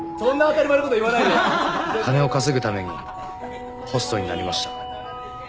金を稼ぐためにホストになりました。